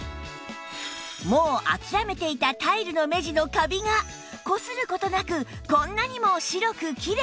もう諦めていたタイルの目地のカビがこする事なくこんなにも白くきれいに！